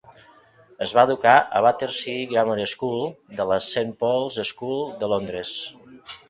Es va educar a la Battersea Grammar School de la Saint Paul's School de Londres.